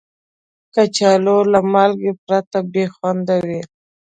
کچالو له مالګې پرته بې خوند وي